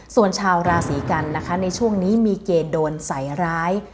ส่วนชาวราศีกันนะคะในช่วงนี้มีเกณฑ์โดนใส่ร้าย